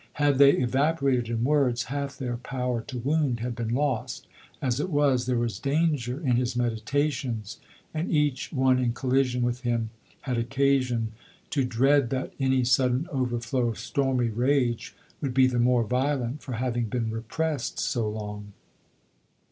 Had they eva porated in words, half their power to wound had been lost ; as it was, there was danger in his meditations, and each one in collision with him had occasion to dread that any sudden overflow of stormy rage would be the more violent for having been repressed so long.